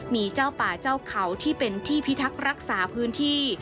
มีเจ้าป่าเจ้าเขาที่เป็นที่พิทักษ์รักษาพื้นที่